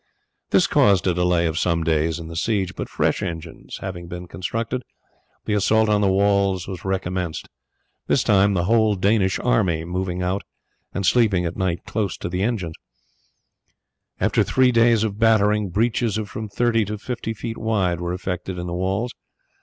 This caused a delay of some days in the siege, but fresh engines having been constructed, the assault on the walls was recommenced, this time the whole Danish army moving out and sleeping at night close to them. After three days' battering, breaches of from thirty to fifty feet wide were effected in the walls.